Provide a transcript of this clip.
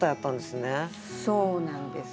そうなんです。